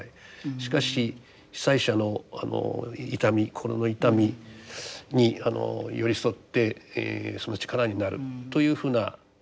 しかし被災者の痛み心の痛みに寄り添ってその力になるというふうな形。